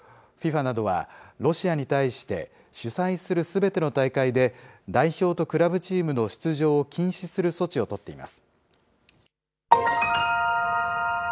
ＦＩＦＡなどは、ロシアに対して、主催するすべての大会で、代表とクラブチームの出場を禁止する措置を取っています。